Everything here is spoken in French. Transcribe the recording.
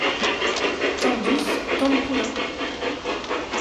Tant d'us, tant d'poulains.